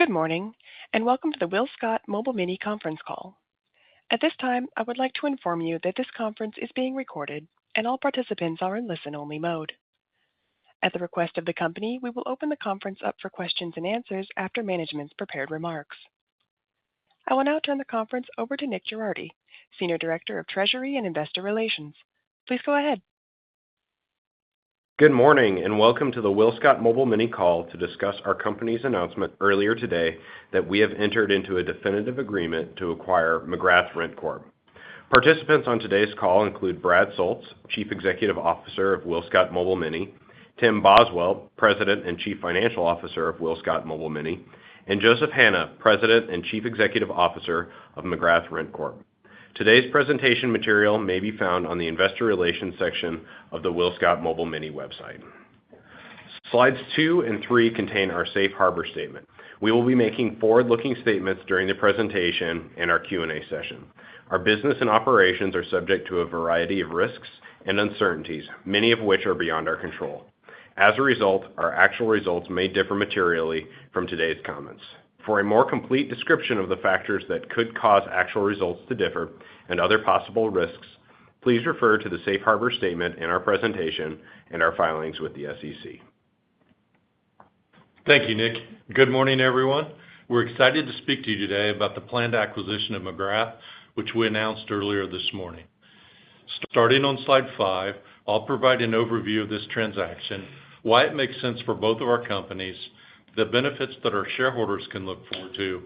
Good morning, and welcome to the WillScot Mobile Mini Conference Call. At this time, I would like to inform you that this conference is being recorded and all participants are in listen-only mode. At the request of the company, we will open the conference up for questions and answers after management's prepared remarks. I will now turn the conference over to Nick Girardi, Senior Director of Treasury and Investor Relations. Please go ahead. Good morning, and welcome to the WillScot Mobile Mini call to discuss our company's announcement earlier today that we have entered into a definitive agreement to acquire McGrath RentCorp. Participants on today's call include Brad Soultz, Chief Executive Officer of WillScot Mobile Mini; Tim Boswell, President and Chief Financial Officer of WillScot Mobile Mini; and Joseph Hanna, President and Chief Executive Officer of McGrath RentCorp. Today's presentation material may be found on the Investor Relations section of the WillScot Mobile Mini website. Slides two and three contain our safe harbor statement. We will be making forward-looking statements during the presentation and our Q&A session. Our business and operations are subject to a variety of risks and uncertainties, many of which are beyond our control. As a result, our actual results may differ materially from today's comments. For a more complete description of the factors that could cause actual results to differ and other possible risks, please refer to the safe harbor statement in our presentation and our filings with the SEC. Thank you, Nick. Good morning, everyone. We're excited to speak to you today about the planned acquisition of McGrath, which we announced earlier this morning. Starting on slide five, I'll provide an overview of this transaction, why it makes sense for both of our companies, the benefits that our shareholders can look forward to,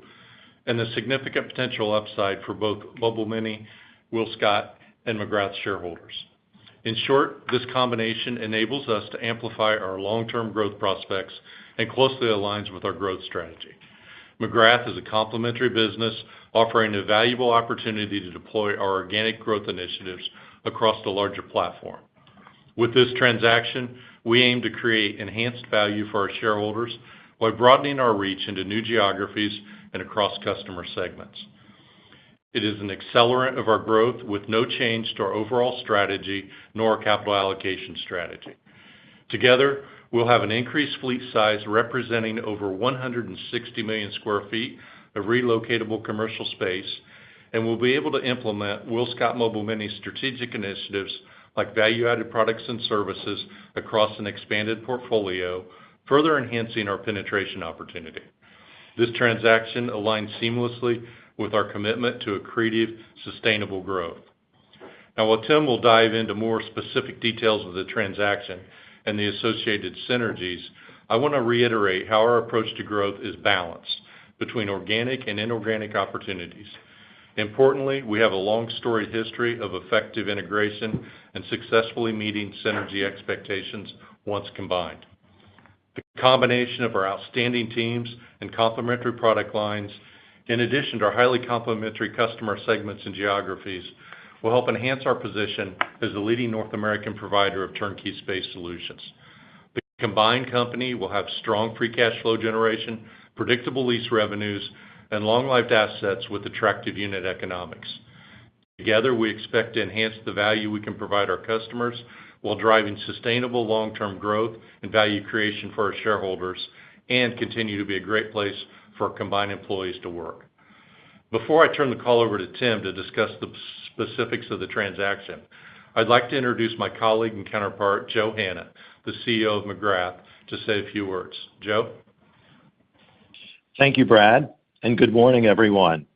and the significant potential upside for both Mobile Mini, WillScot, and McGrath shareholders. In short, this combination enables us to amplify our long-term growth prospects and closely aligns with our growth strategy. McGrath is a complementary business, offering a valuable opportunity to deploy our organic growth initiatives across the larger platform. With this transaction, we aim to create enhanced value for our shareholders while broadening our reach into new geographies and across customer segments. It is an accelerant of our growth, with no change to our overall strategy, nor capital allocation strategy. Together, we'll have an increased fleet size, representing over 160 million sq ft of relocatable commercial space, and we'll be able to implement WillScot Mobile Mini strategic initiatives, like value-added products and services, across an expanded portfolio, further enhancing our penetration opportunity. This transaction aligns seamlessly with our commitment to accretive, sustainable growth. Now, while Tim will dive into more specific details of the transaction and the associated synergies, I want to reiterate how our approach to growth is balanced between organic and inorganic opportunities. Importantly, we have a long strong history of effective integration and successfully meeting synergy expectations once combined. The combination of our outstanding teams and complementary product lines, in addition to our highly complementary customer segments and geographies, will help enhance our position as the leading North American provider of turnkey space solutions. The combined company will have strong free cash flow generation, predictable lease revenues, and long-lived assets with attractive unit economics. Together, we expect to enhance the value we can provide our customers while driving sustainable long-term growth and value creation for our shareholders, and continue to be a great place for combined employees to work. Before I turn the call over to Tim to discuss the specifics of the transaction, I'd like to introduce my colleague and counterpart, Joe Hanna, the CEO of McGrath, to say a few words. Joe? Thank you, Brad, and good morning, everyone.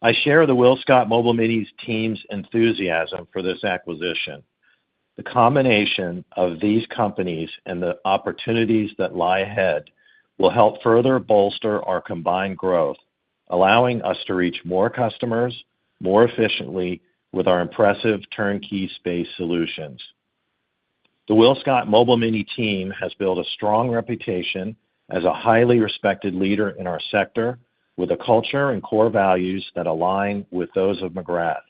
I share the WillScot Mobile Mini's team's enthusiasm for this acquisition. The combination of these companies and the opportunities that lie ahead will help further bolster our combined growth, allowing us to reach more customers, more efficiently with our impressive turnkey space solutions. The WillScot Mobile Mini team has built a strong reputation as a highly respected leader in our sector, with a culture and core values that align with those of McGrath.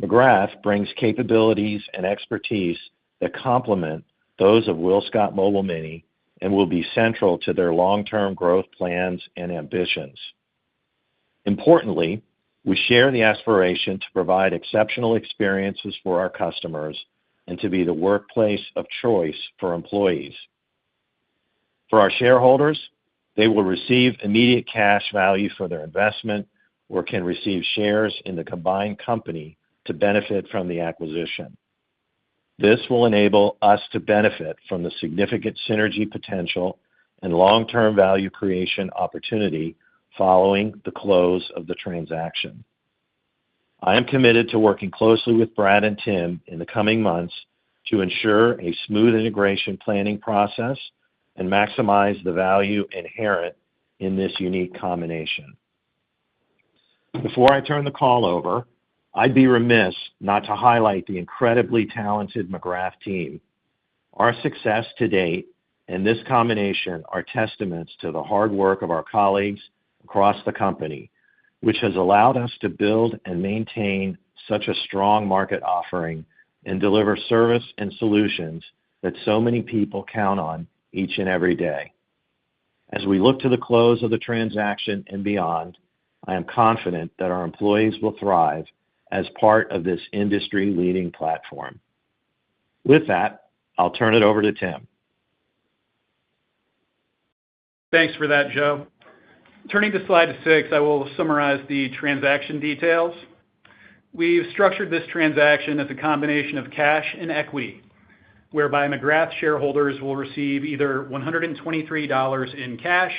McGrath brings capabilities and expertise that complement those of WillScot Mobile Mini and will be central to their long-term growth plans and ambitions. Importantly, we share the aspiration to provide exceptional experiences for our customers and to be the workplace of choice for employees. For our shareholders, they will receive immediate cash value for their investment or can receive shares in the combined company to benefit from the acquisition. This will enable us to benefit from the significant synergy potential and long-term value creation opportunity following the close of the transaction. I am committed to working closely with Brad and Tim in the coming months to ensure a smooth integration planning process and maximize the value inherent in this unique combination. Before I turn the call over, I'd be remiss not to highlight the incredibly talented McGrath team. Our success to date and this combination are testaments to the hard work of our colleagues across the company, which has allowed us to build and maintain such a strong market offering and deliver service and solutions that so many people count on each and every day. As we look to the close of the transaction and beyond, I am confident that our employees will thrive as part of this industry-leading platform. With that, I'll turn it over to Tim. Thanks for that, Joe. Turning to slide six, I will summarize the transaction details. We've structured this transaction as a combination of cash and equity, whereby McGrath shareholders will receive either $123 in cash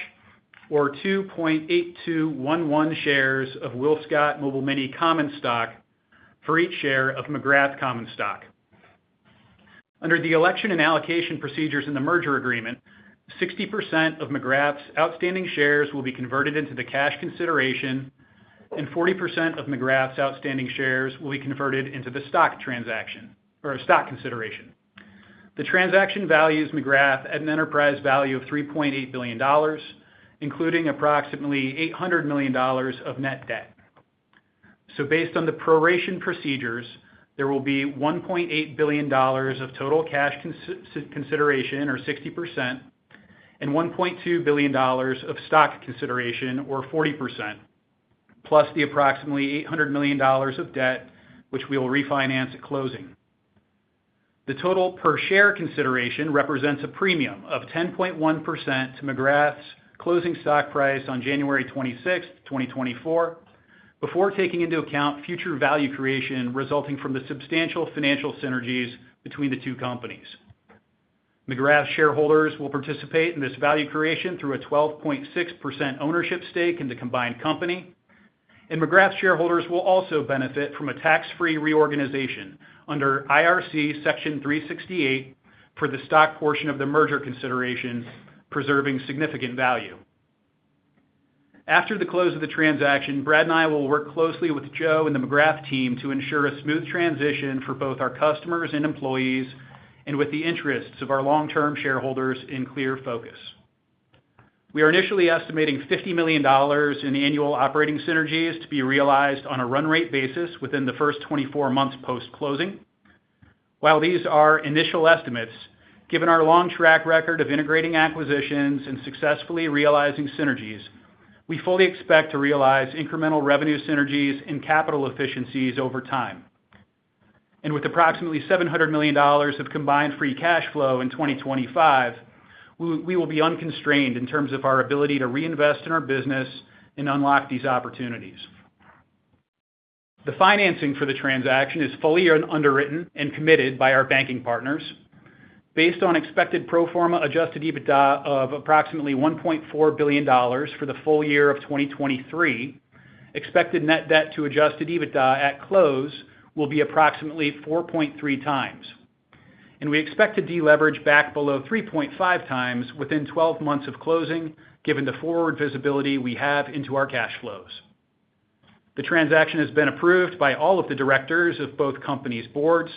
or 2.8211 shares of WillScot Mobile Mini common stock for each share of McGrath common stock. Under the election and allocation procedures in the merger agreement, 60% of McGrath's outstanding shares will be converted into the cash consideration, and 40% of McGrath's outstanding shares will be converted into the stock transaction or stock consideration. The transaction values McGrath at an enterprise value of $3.8 billion, including approximately $800 million of net debt. Based on the proration procedures, there will be $1.8 billion of total cash consideration, or 60%, and $1.2 billion of stock consideration, or 40%, plus the approximately $800 million of debt, which we will refinance at closing. The total per share consideration represents a premium of 10.1% to McGrath's closing stock price on January 26th, 2024, before taking into account future value creation resulting from the substantial financial synergies between the two companies. McGrath shareholders will participate in this value creation through a 12.6% ownership stake in the combined company, and McGrath's shareholders will also benefit from a tax-free reorganization under IRC Section 368 for the stock portion of the merger consideration, preserving significant value. After the close of the transaction, Brad and I will work closely with Joe and the McGrath team to ensure a smooth transition for both our customers and employees, and with the interests of our long-term shareholders in clear focus. We are initially estimating $50 million in annual operating synergies to be realized on a run rate basis within the first 24 months post-closing. While these are initial estimates, given our long track record of integrating acquisitions and successfully realizing synergies, we fully expect to realize incremental revenue synergies and capital efficiencies over time. And with approximately $700 million of combined free cash flow in 2025, we, we will be unconstrained in terms of our ability to reinvest in our business and unlock these opportunities. The financing for the transaction is fully underwritten and committed by our banking partners. Based on expected pro forma adjusted EBITDA of approximately $1.4 billion for the full year of 2023, expected net debt to adjusted EBITDA at close will be approximately 4.3x. We expect to deleverage back below 3.5x within 12 months of closing, given the forward visibility we have into our cash flows. The transaction has been approved by all of the directors of both companies' boards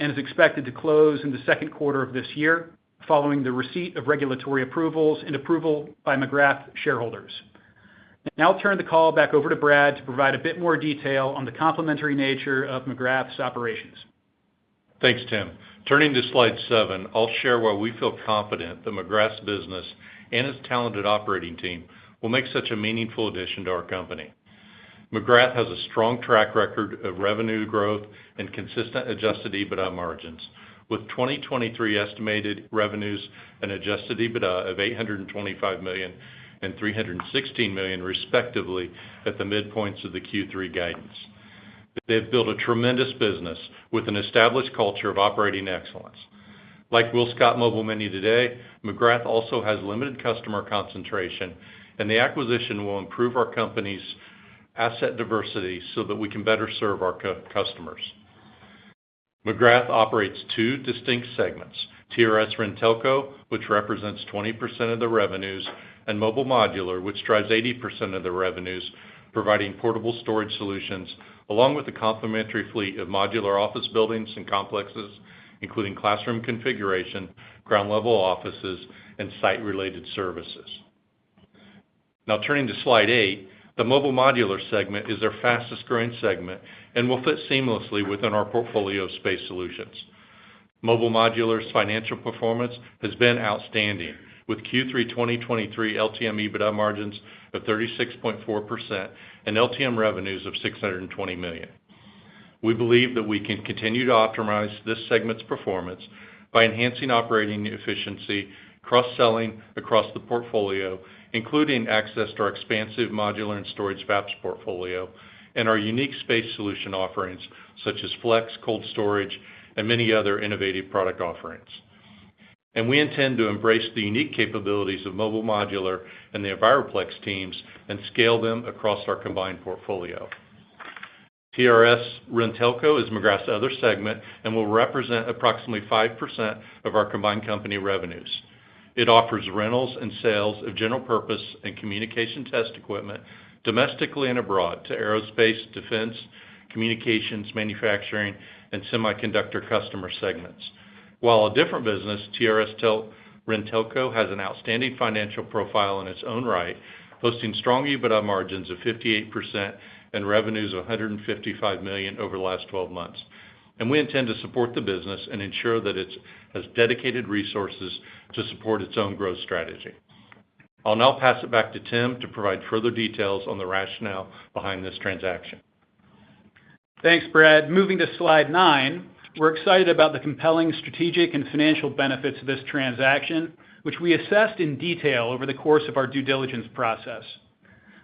and is expected to close in the second quarter of this year, following the receipt of regulatory approvals and approval by McGrath shareholders. Now I'll turn the call back over to Brad to provide a bit more detail on the complementary nature of McGrath's operations. Thanks, Tim. Turning to slide seven, I'll share why we feel confident that McGrath's business and its talented operating team will make such a meaningful addition to our company. McGrath has a strong track record of revenue growth and consistent adjusted EBITDA margins, with 2023 estimated revenues and adjusted EBITDA of $825 million and $316 million, respectively, at the midpoints of the Q3 guidance. They've built a tremendous business with an established culture of operating excellence. Like WillScot Mobile Mini today, McGrath also has limited customer concentration, and the acquisition will improve our company's asset diversity so that we can better serve our customers. McGrath operates two distinct segments: TRS-RenTelco, which represents 20% of the revenues, and Mobile Modular, which drives 80% of the revenues, providing portable storage solutions, along with a complementary fleet of modular office buildings and complexes, including classroom configuration, ground-level offices, and site-related services. Now, turning to Slide eight, the Mobile Modular segment is their fastest-growing segment and will fit seamlessly within our portfolio of space solutions. Mobile Modular's financial performance has been outstanding, with Q3 2023 LTM EBITDA margins of 36.4% and LTM revenues of $620 million. We believe that we can continue to optimize this segment's performance by enhancing operating efficiency, cross-selling across the portfolio, including access to our expansive modular and storage VAPs portfolio and our unique space solution offerings, such as FLEX, cold storage, and many other innovative product offerings. We intend to embrace the unique capabilities of Mobile Modular and the Enviroplex teams and scale them across our combined portfolio. TRS-RenTelco is McGrath's other segment and will represent approximately 5% of our combined company revenues. It offers rentals and sales of general purpose and communication test equipment domestically and abroad to aerospace, defense, communications, manufacturing, and semiconductor customer segments. While a different business, TRS-RenTelco has an outstanding financial profile in its own right, hosting strong EBITDA margins of 58% and revenues of $155 million over the last 12 months. We intend to support the business and ensure that it has dedicated resources to support its own growth strategy. I'll now pass it back to Tim to provide further details on the rationale behind this transaction. Thanks, Brad. Moving to slide nine, we're excited about the compelling strategic and financial benefits of this transaction, which we assessed in detail over the course of our due diligence process.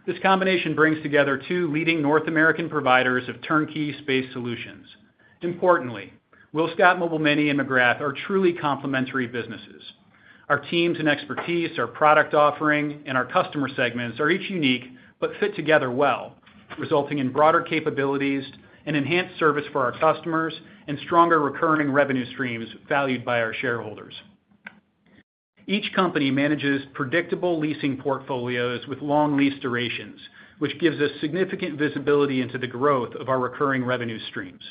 This combination brings together two leading North American providers of turnkey space solutions. Importantly, WillScot Mobile Mini and McGrath are truly complementary businesses. Our teams and expertise, our product offering, and our customer segments are each unique, but fit together well, resulting in broader capabilities and enhanced service for our customers, and stronger recurring revenue streams valued by our shareholders. Each company manages predictable leasing portfolios with long lease durations, which gives us significant visibility into the growth of our recurring revenue streams.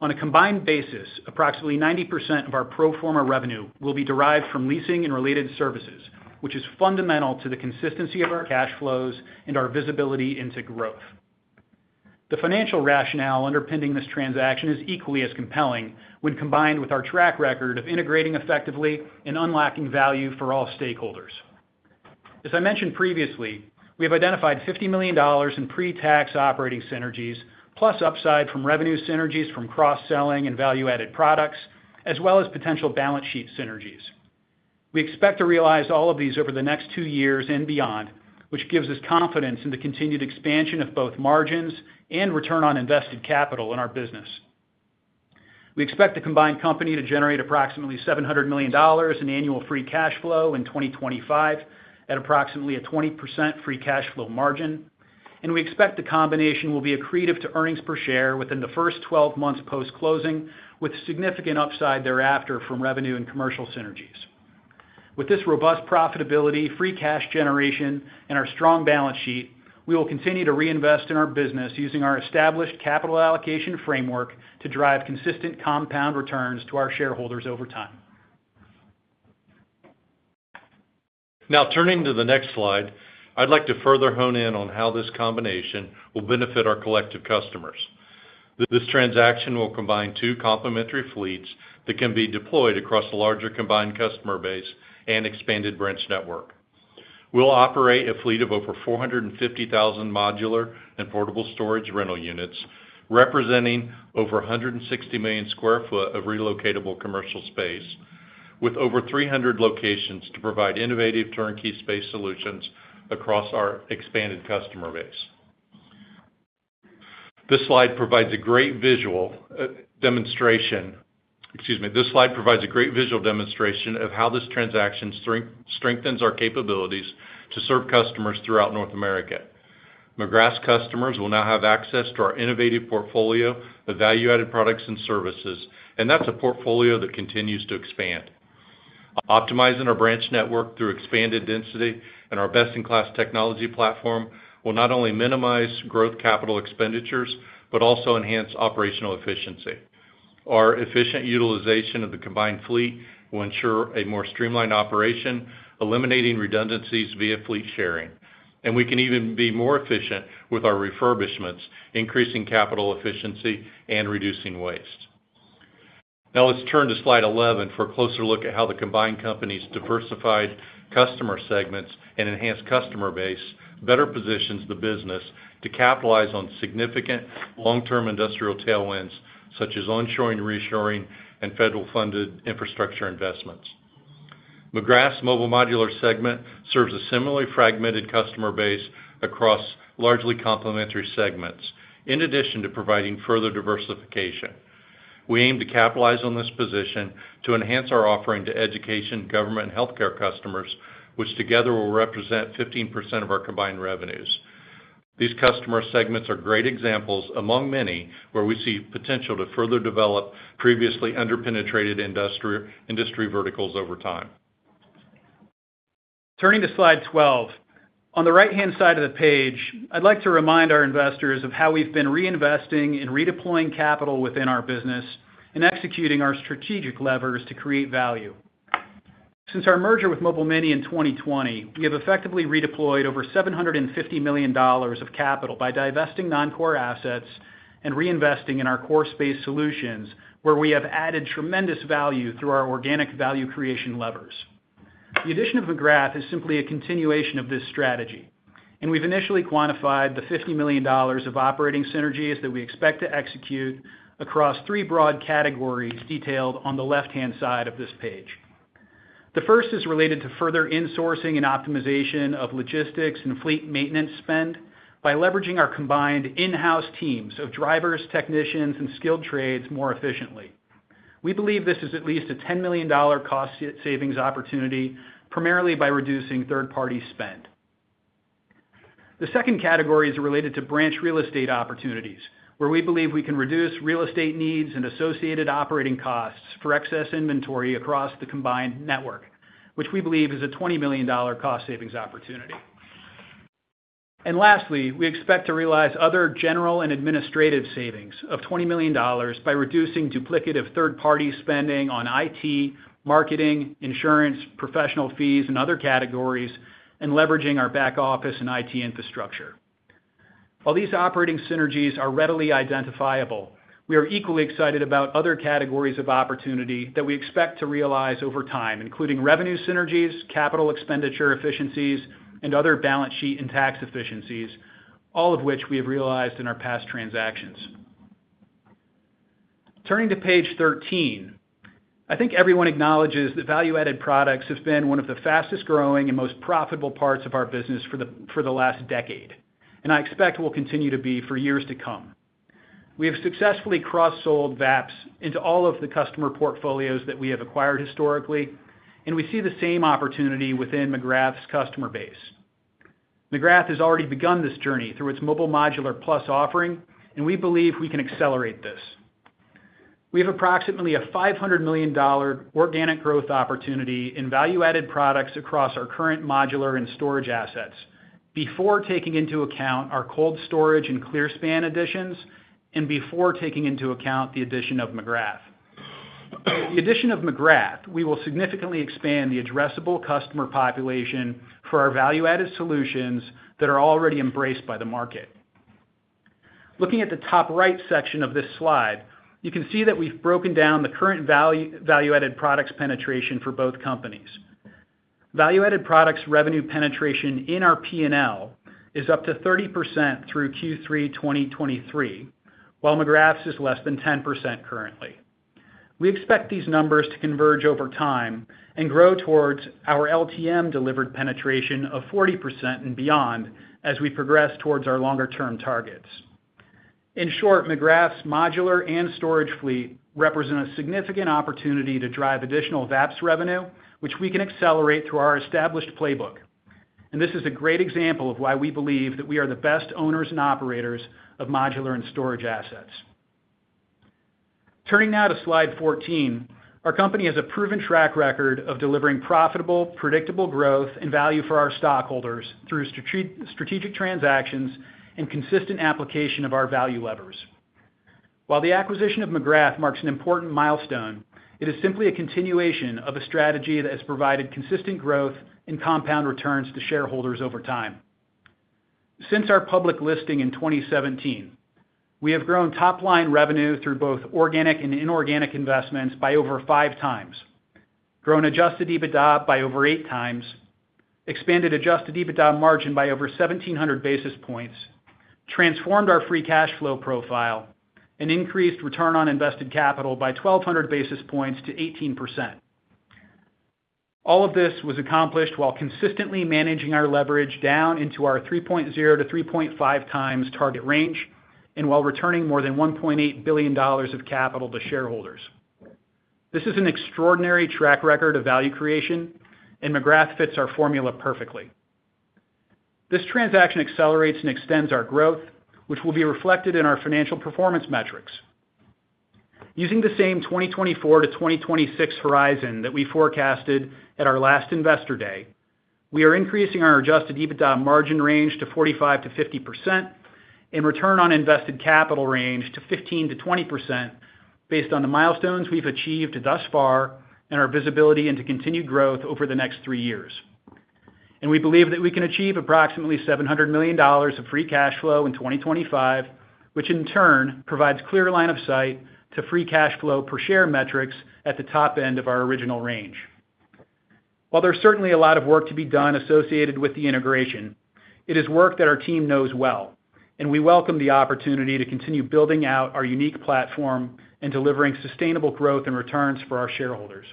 On a combined basis, approximately 90% of our pro forma revenue will be derived from leasing and related services, which is fundamental to the consistency of our cash flows and our visibility into growth. The financial rationale underpinning this transaction is equally as compelling when combined with our track record of integrating effectively and unlocking value for all stakeholders. As I mentioned previously, we have identified $50 million in pre-tax operating synergies, plus upside from revenue synergies from cross-selling and value-added products, as well as potential balance sheet synergies. We expect to realize all of these over the next two years and beyond, which gives us confidence in the continued expansion of both margins and return on invested capital in our business. We expect the combined company to generate approximately $700 million in annual free cash flow in 2025 at approximately a 20% free cash flow margin, and we expect the combination will be accretive to earnings per share within the first 12 months post-closing, with significant upside thereafter from revenue and commercial synergies. With this robust profitability, free cash generation, and our strong balance sheet, we will continue to reinvest in our business using our established capital allocation framework to drive consistent compound returns to our shareholders over time. Now, turning to the next slide, I'd like to further hone in on how this combination will benefit our collective customers. This transaction will combine two complementary fleets that can be deployed across a larger combined customer base and expanded branch network. We'll operate a fleet of over 450,000 modular and portable storage rental units, representing over 160 million sq ft of relocatable commercial space, with over 300 locations to provide innovative turnkey space solutions across our expanded customer base. This slide provides a great visual demonstration of how this transaction strengthens our capabilities to serve customers throughout North America. McGrath's customers will now have access to our innovative portfolio of value-added products and services, and that's a portfolio that continues to expand. Optimizing our branch network through expanded density and our best-in-class technology platform will not only minimize growth capital expenditures, but also enhance operational efficiency. Our efficient utilization of the combined fleet will ensure a more streamlined operation, eliminating redundancies via fleet sharing. We can even be more efficient with our refurbishments, increasing capital efficiency and reducing waste. Now, let's turn to slide 11 for a closer look at how the combined company's diversified customer segments and enhanced customer base better positions the business to capitalize on significant long-term industrial tailwinds, such as onshoring, reshoring, and federal-funded infrastructure investments. McGrath's Mobile Modular segment serves a similarly fragmented customer base across largely complementary segments, in addition to providing further diversification. We aim to capitalize on this position to enhance our offering to education, government, and healthcare customers, which together will represent 15% of our combined revenues. These customer segments are great examples among many, where we see potential to further develop previously under-penetrated industry, industry verticals over time. Turning to slide 12. On the right-hand side of the page, I'd like to remind our investors of how we've been reinvesting and redeploying capital within our business and executing our strategic levers to create value. Since our merger with Mobile Mini in 2020, we have effectively redeployed over $750 million of capital by divesting non-core assets and reinvesting in our core space solutions, where we have added tremendous value through our organic value creation levers. The addition of McGrath is simply a continuation of this strategy, and we've initially quantified the $50 million of operating synergies that we expect to execute across three broad categories, detailed on the left-hand side of this page. The first is related to further insourcing and optimization of logistics and fleet maintenance spend by leveraging our combined in-house teams of drivers, technicians, and skilled trades more efficiently. We believe this is at least a $10 million cost savings opportunity, primarily by reducing third-party spend. The second category is related to branch real estate opportunities, where we believe we can reduce real estate needs and associated operating costs for excess inventory across the combined network, which we believe is a $20 million cost savings opportunity. Lastly, we expect to realize other general and administrative savings of $20 million by reducing duplicative third-party spending on IT, marketing, insurance, professional fees, and other categories, and leveraging our back office and IT infrastructure. While these operating synergies are readily identifiable, we are equally excited about other categories of opportunity that we expect to realize over time, including revenue synergies, capital expenditure efficiencies, and other balance sheet and tax efficiencies, all of which we have realized in our past transactions. Turning to page 13, I think everyone acknowledges that value-added products have been one of the fastest-growing and most profitable parts of our business for the last decade, and I expect will continue to be for years to come. We have successfully cross-sold VAPs into all of the customer portfolios that we have acquired historically, and we see the same opportunity within McGrath's customer base. McGrath has already begun this journey through its Mobile Modular Plus offering, and we believe we can accelerate this. We have approximately a $500 million organic growth opportunity in value-added products across our current modular and storage assets before taking into account our cold storage and clearspan additions, and before taking into account the addition of McGrath. The addition of McGrath, we will significantly expand the addressable customer population for our value-added solutions that are already embraced by the market. Looking at the top right section of this slide, you can see that we've broken down the current value, value-added products penetration for both companies. Value-added products revenue penetration in our P&L is up to 30% through Q3 2023, while McGrath's is less than 10% currently. We expect these numbers to converge over time and grow towards our LTM-delivered penetration of 40% and beyond as we progress towards our longer-term targets. In short, McGrath's modular and storage fleet represent a significant opportunity to drive additional VAPs revenue, which we can accelerate through our established playbook. This is a great example of why we believe that we are the best owners and operators of modular and storage assets. Turning now to Slide 14, our company has a proven track record of delivering profitable, predictable growth and value for our stockholders through strategic transactions and consistent application of our value levers. While the acquisition of McGrath marks an important milestone, it is simply a continuation of a strategy that has provided consistent growth and compound returns to shareholders over time. Since our public listing in 2017, we have grown top-line revenue through both organic and inorganic investments by over 5x, grown adjusted EBITDA by over 8x, expanded adjusted EBITDA margin by over 1,700 basis points, transformed our free cash flow profile, and increased return on invested capital by 1,200 basis points to 18%. All of this was accomplished while consistently managing our leverage down into our 3.0x-3.5x target range, and while returning more than $1.8 billion of capital to shareholders. This is an extraordinary track record of value creation, and McGrath fits our formula perfectly. This transaction accelerates and extends our growth, which will be reflected in our financial performance metrics. Using the same 2024-2026 horizon that we forecasted at our last Investor Day, we are increasing our adjusted EBITDA margin range to 45%-50% and return on invested capital range to 15%-20% based on the milestones we've achieved thus far and our visibility into continued growth over the next three years. We believe that we can achieve approximately $700 million of free cash flow in 2025, which in turn provides clear line of sight to free cash flow per share metrics at the top end of our original range. While there's certainly a lot of work to be done associated with the integration, it is work that our team knows well, and we welcome the opportunity to continue building out our unique platform and delivering sustainable growth and returns for our shareholders.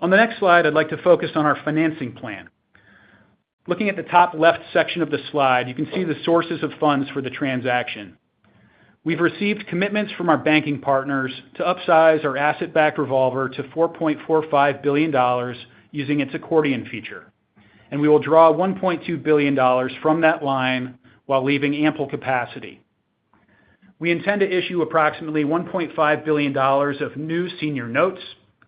On the next slide, I'd like to focus on our financing plan. Looking at the top left section of the slide, you can see the sources of funds for the transaction. We've received commitments from our banking partners to upsize our asset-backed revolver to $4.45 billion using its accordion feature, and we will draw $1.2 billion from that line while leaving ample capacity. We intend to issue approximately $1.5 billion of new senior notes,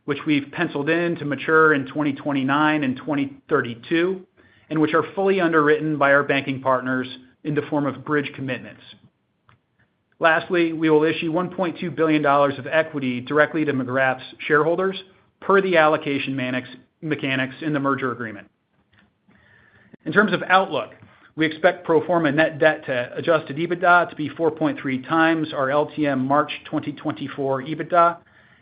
which we've penciled in to mature in 2029 and 2032, and which are fully underwritten by our banking partners in the form of bridge commitments. Lastly, we will issue $1.2 billion of equity directly to McGrath's shareholders per the allocation mechanics in the merger agreement. In terms of outlook, we expect pro forma net debt to adjusted EBITDA to be 4.3x our LTM March 2024 EBITDA,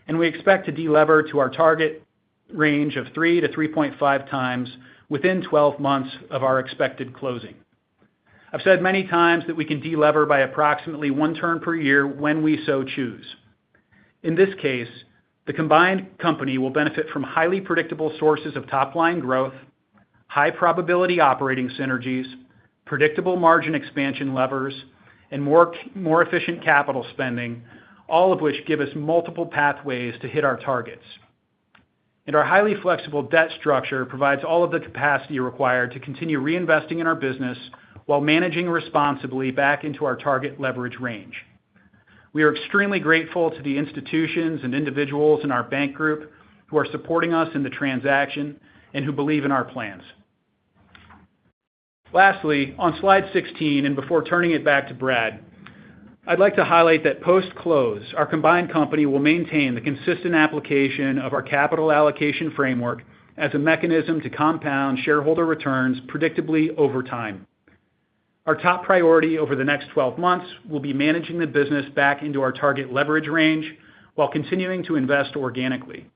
and we expect to delever to our target range of 3x-3.5x within 12 months of our expected closing. I've said many times that we can delever by approximately one turn per year when we so choose. In this case, the combined company will benefit from highly predictable sources of top-line growth, high probability operating synergies, predictable margin expansion levers, and more, more efficient capital spending, all of which give us multiple pathways to hit our targets. Our highly flexible debt structure provides all of the capacity required to continue reinvesting in our business while managing responsibly back into our target leverage range. We are extremely grateful to the institutions and individuals in our bank group who are supporting us in the transaction and who believe in our plans. Lastly, on Slide 16, before turning it back to Brad, I'd like to highlight that post-close, our combined company will maintain the consistent application of our capital allocation framework as a mechanism to compound shareholder returns predictably over time. Our top priority over the next 12 months will be managing the business back into our target leverage range while continuing to invest organically.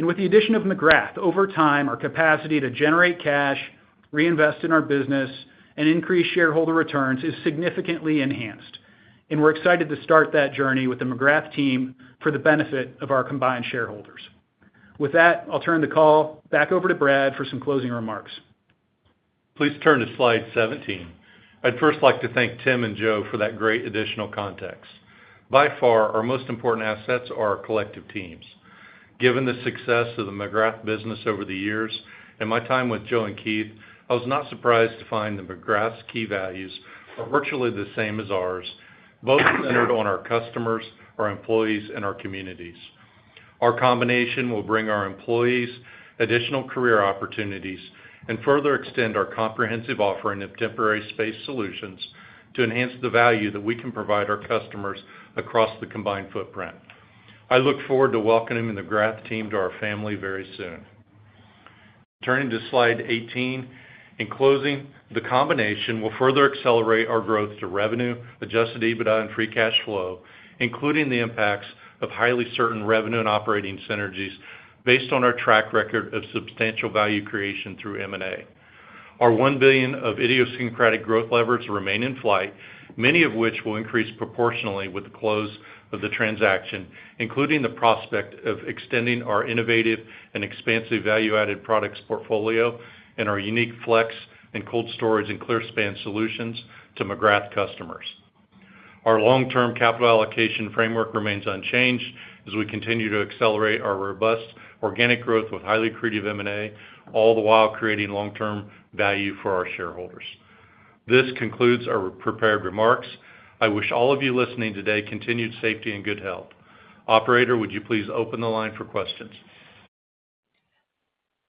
And with the addition of McGrath, over time, our capacity to generate cash, reinvest in our business, and increase shareholder returns is significantly enhanced, and we're excited to start that journey with the McGrath team for the benefit of our combined shareholders. With that, I'll turn the call back over to Brad for some closing remarks. Please turn to slide 17. I'd first like to thank Tim and Joe for that great additional context. By far, our most important assets are our collective teams. Given the success of the McGrath business over the years, and my time with Joe and Keith, I was not surprised to find that McGrath's key values are virtually the same as ours, both centered on our customers, our employees, and our communities. Our combination will bring our employees additional career opportunities and further extend our comprehensive offering of temporary space solutions to enhance the value that we can provide our customers across the combined footprint. I look forward to welcoming the McGrath team to our family very soon. Turning to slide 18. In closing, the combination will further accelerate our growth to revenue, adjusted EBITDA, and free cash flow, including the impacts of highly certain revenue and operating synergies based on our track record of substantial value creation through M&A. Our $1 billion of idiosyncratic growth levers remain in flight, many of which will increase proportionally with the close of the transaction, including the prospect of extending our innovative and expansive value-added products portfolio and our unique FLEX and cold storage and clearspan solutions to McGrath customers. Our long-term capital allocation framework remains unchanged as we continue to accelerate our robust organic growth with highly accretive M&A, all the while creating long-term value for our shareholders. This concludes our prepared remarks. I wish all of you listening today continued safety and good health. Operator, would you please open the line for questions?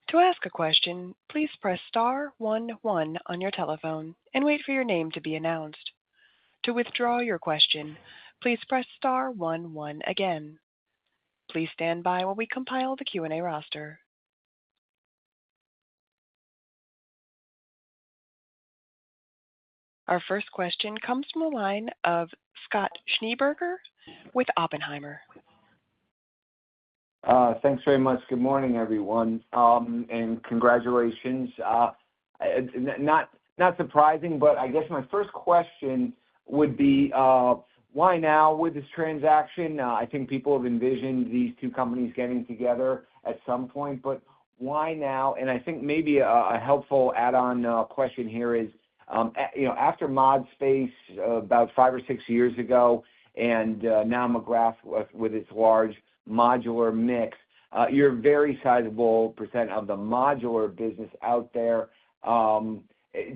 To ask a question, please press star one one on your telephone and wait for your name to be announced. To withdraw your question, please press star one one again. Please stand by while we compile the Q&A roster. Our first question comes from the line of Scott Schneeberger with Oppenheimer. Thanks very much. Good morning, everyone, and congratulations. Not surprising, but I guess my first question would be, why now with this transaction? I think people have envisioned these two companies getting together at some point, but why now? And I think maybe a helpful add-on question here is, you know, after ModSpace, about five or six years ago, and now McGrath with its large modular mix, you're a very sizable percent of the modular business out there.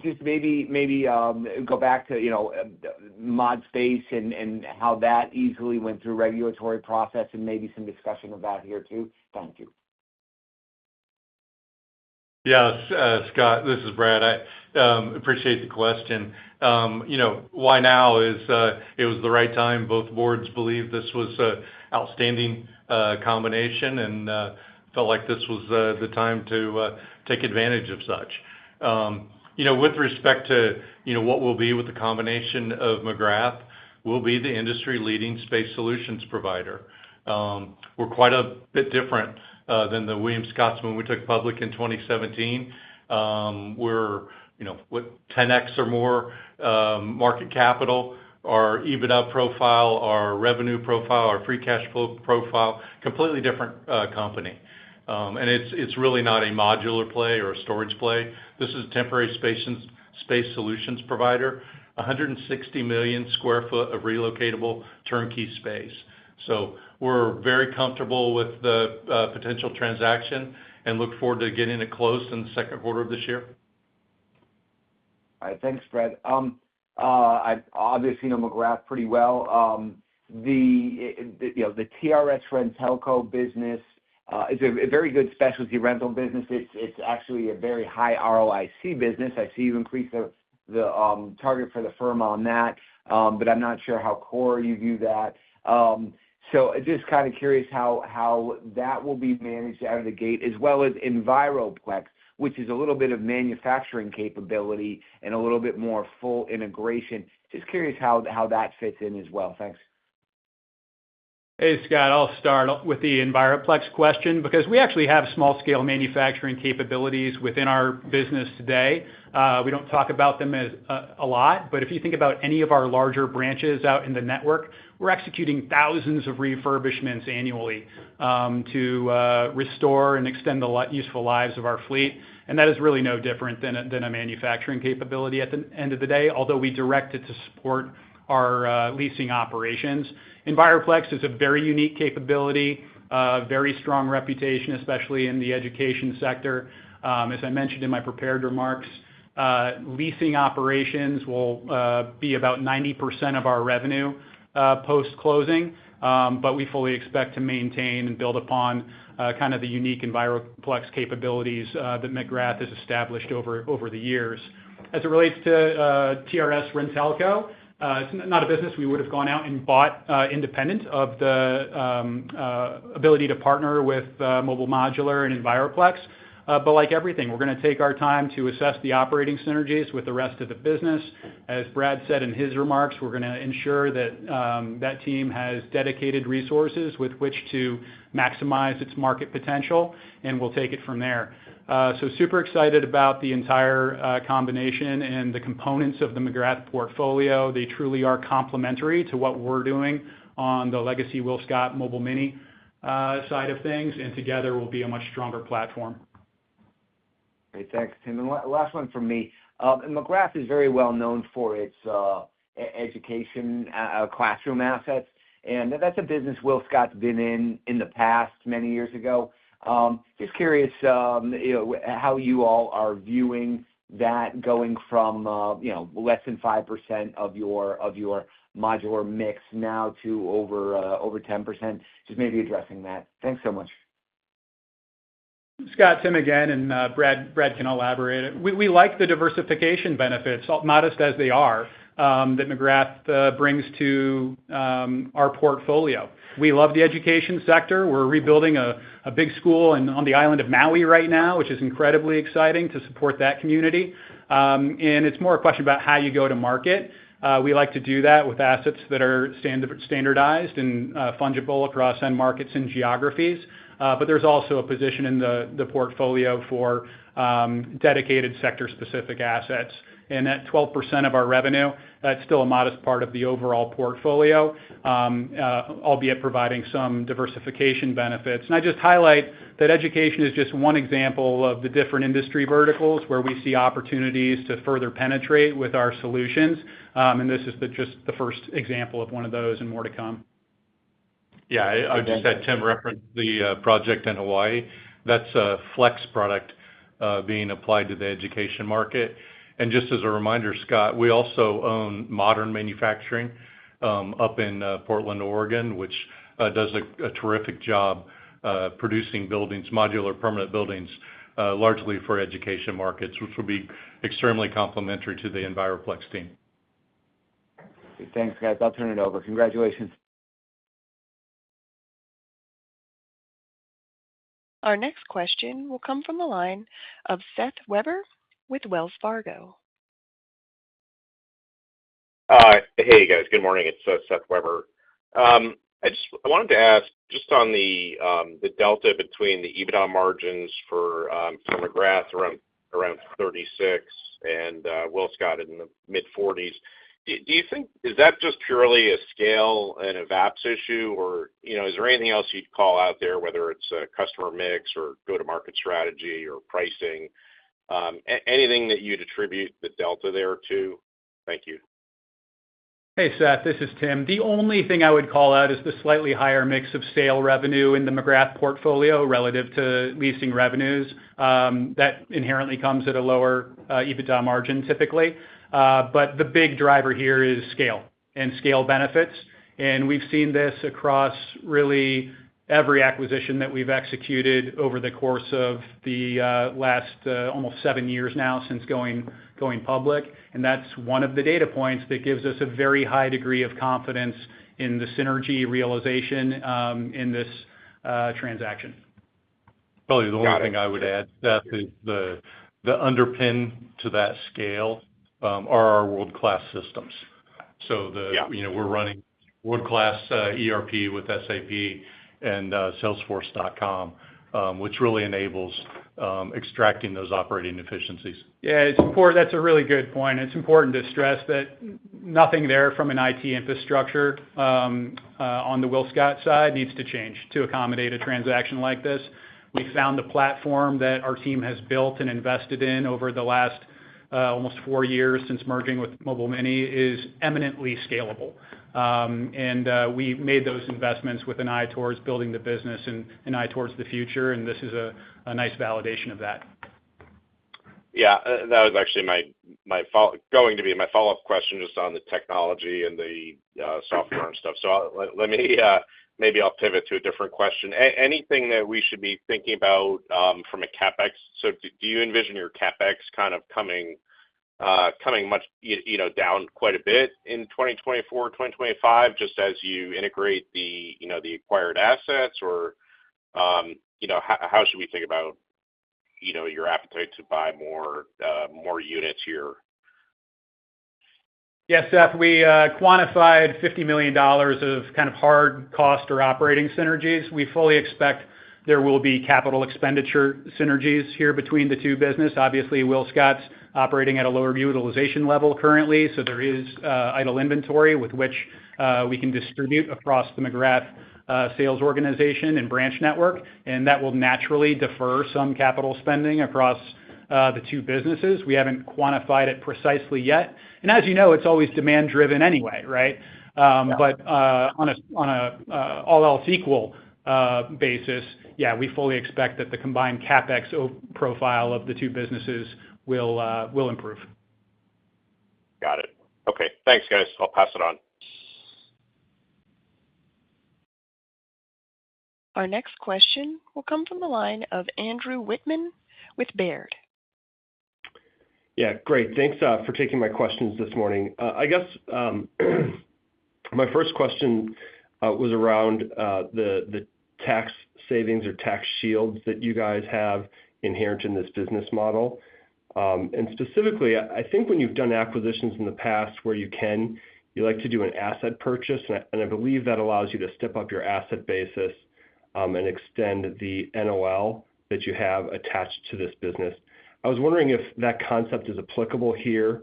Just maybe go back to, you know, ModSpace and how that easily went through regulatory process and maybe some discussion about here, too. Thank you. Yes, Scott, this is Brad. I appreciate the question. You know, why now is it was the right time. Both boards believed this was an outstanding combination and felt like this was the time to take advantage of such. You know, with respect to what we'll be with the combination of McGrath, we'll be the industry-leading space solutions provider. We're quite a bit different than the Williams Scotsman when we went public in 2017. We're, you know, with 10x or more market cap, our EBITDA profile, our revenue profile, our free cash flow profile, completely different company. And it's really not a modular play or a storage play. This is a temporary space and space solutions provider, 160 million sq ft of relocatable turnkey space. We're very comfortable with the potential transaction and look forward to getting it closed in the second quarter of this year. All right. Thanks, Brad. I obviously know McGrath pretty well. The you know, the TRS-RenTelco business is a very good specialty rental business. It's actually a very high ROIC business. I see you've increased the target for the firm on that, but I'm not sure how core you view that. So just kind of curious how that will be managed out of the gate, as well as Enviroplex, which is a little bit of manufacturing capability and a little bit more full integration. Just curious how that fits in as well. Thanks. Hey, Scott. I'll start off with the Enviroplex question, because we actually have small-scale manufacturing capabilities within our business today. We don't talk about them as a lot, but if you think about any of our larger branches out in the network, we're executing thousands of refurbishments annually, to restore and extend the useful lives of our fleet, and that is really no different than a manufacturing capability at the end of the day, although we direct it to support our leasing operations. Enviroplex is a very unique capability, a very strong reputation, especially in the education sector. As I mentioned in my prepared remarks, leasing operations will be about 90% of our revenue post-closing, but we fully expect to maintain and build upon kind of the unique Enviroplex capabilities that McGrath has established over the years. As it relates to TRS-RenTelco, it's not a business we would have gone out and bought independent of the ability to partner with Mobile Modular and Enviroplex. But like everything, we're gonna take our time to assess the operating synergies with the rest of the business. As Brad said in his remarks, we're gonna ensure that that team has dedicated resources with which to maximize its market potential, and we'll take it from there. So super excited about the entire combination and the components of the McGrath portfolio. They truly are complementary to what we're doing on the legacy WillScot Mobile Mini side of things, and together will be a much stronger platform. Great. Thanks, Tim. And last one from me. McGrath is very well known for its education classroom assets, and that's a business WillScot's been in the past, many years ago. Just curious, you know, how you all are viewing that going from, you know, less than 5% of your modular mix now to over 10%? Just maybe addressing that. Thanks so much. Scott, Tim again, and Brad, Brad can elaborate. We like the diversification benefits, modest as they are, that McGrath brings to our portfolio. We love the education sector. We're rebuilding a big school on the island of Maui right now, which is incredibly exciting to support that community. And it's more a question about how you go to market. We like to do that with assets that are standardized and fungible across end markets and geographies. But there's also a position in the portfolio for dedicated sector-specific assets. And at 12% of our revenue, that's still a modest part of the overall portfolio, albeit providing some diversification benefits. And I just highlight that education is just one example of the different industry verticals where we see opportunities to further penetrate with our solutions. This is just the first example of one of those and more to come. Yeah, I just had Tim reference the project in Hawaii. That's a FLEX product being applied to the education market. And just as a reminder, Scott, we also own Modern Manufacturing up in Portland, Oregon, which does a terrific job producing buildings, modular permanent buildings largely for education markets, which will be extremely complementary to the Enviroplex team. Thanks, guys. I'll turn it over. Congratulations. Our next question will come from the line of Seth Weber with Wells Fargo. Hey, guys. Good morning, it's Seth Weber. I wanted to ask just on the delta between the EBITDA margins for McGrath around 36% and WillScot in the mid-40s%. Do you think is that just purely a scale and a VAPs issue, or, you know, is there anything else you'd call out there, whether it's a customer mix or go-to-market strategy or pricing? Anything that you'd attribute the delta there to? Thank you. Hey, Seth, this is Tim. The only thing I would call out is the slightly higher mix of sale revenue in the McGrath portfolio, relative to leasing revenues. That inherently comes at a lower EBITDA margin, typically. But the big driver here is scale and scale benefits, and we've seen this across really every acquisition that we've executed over the course of the last almost seven years now since going public. And that's one of the data points that gives us a very high degree of confidence in the synergy realization in this transaction. Probably the only thing I would add, Seth, is the underpin to that scale are our world-class systems. Yeah. You know, we're running world-class ERP with SAP and salesforce.com, which really enables extracting those operating efficiencies. Yeah, that's a really good point. It's important to stress that nothing there from an IT infrastructure on the WillScot side needs to change to accommodate a transaction like this. We found the platform that our team has built and invested in over the last almost four years since merging with Mobile Mini is eminently scalable. And we made those investments with an eye towards building the business and an eye towards the future, and this is a nice validation of that. Yeah, that was actually my follow-up question, just on the technology and the software and stuff. So let me maybe I'll pivot to a different question. Anything that we should be thinking about from a CapEx? So do you envision your CapEx kind of coming much, you know, down quite a bit in 2024, 2025, just as you integrate the, you know, the acquired assets, or, you know, how should we think about, you know, your appetite to buy more more units here? Yeah, Seth, we quantified $50 million of kind of hard cost or operating synergies. We fully expect there will be capital expenditure synergies here between the two business. Obviously, WillScot's operating at a lower utilization level currently, so there is idle inventory with which we can distribute across the McGrath sales organization and branch network, and that will naturally defer some capital spending across the two businesses. We haven't quantified it precisely yet. As you know, it's always demand driven anyway, right? Yeah. But, on a all else equal basis, yeah, we fully expect that the combined CapEx profile of the two businesses will improve. Got it. Okay, thanks, guys. I'll pass it on. Our next question will come from the line of Andrew Wittmann with Baird. Yeah, great. Thanks for taking my questions this morning. I guess my first question was around the tax savings or tax shields that you guys have inherent in this business model. And specifically, I think when you've done acquisitions in the past where you can, you like to do an asset purchase, and I believe that allows you to step up your asset basis and extend the NOL that you have attached to this business. I was wondering if that concept is applicable here